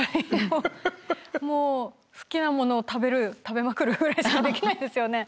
もう好きなものを食べる食べまくるぐらいしかできないですよね。